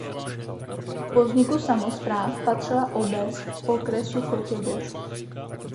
Po vzniku samospráv patřila obec k okresu Chotěboř.